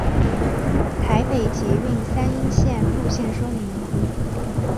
台北捷运三莺线路线说明